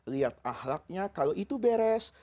lihat ahlaknya kalau itu beres